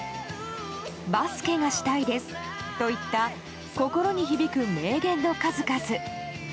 バスケがしたいですといった心に響く名言の数々。